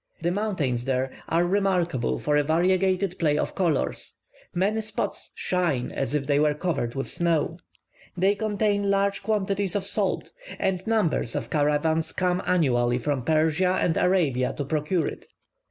The mountains there are remarkable for a variegated play of colours; many spots shine as if they were covered with snow. They contain large quantities of salt, and numbers of caravans come annually from Persia and Arabia to procure it.